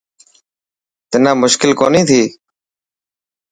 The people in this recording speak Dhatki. تنا مشڪل ڪوني ٿي.